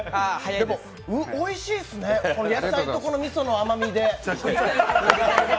でもおいしいっすね、野菜とこの味噌の甘みで。